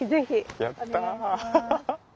やった。